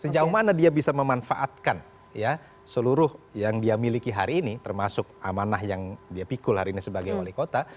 sejauh mana dia bisa memanfaatkan seluruh yang dia miliki hari ini termasuk amanah yang dia pikul hari ini sebagai wali kota